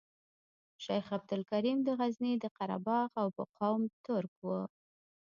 شیخ عبدالکریم د غزني د قره باغ او په قوم ترک وو.